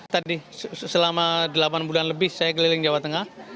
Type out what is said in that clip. tadi selama delapan bulan lebih saya keliling jawa tengah